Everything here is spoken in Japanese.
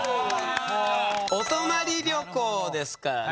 お泊まり旅行ですからね。